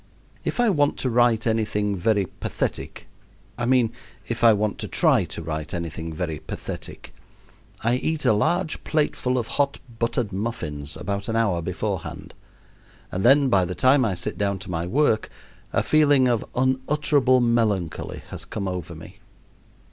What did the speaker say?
If I want to write any thing very pathetic I mean, if I want to try to write anything very pathetic I eat a large plateful of hot buttered muffins about an hour beforehand, and then by the time I sit down to my work a feeling of unutterable melancholy has come over me.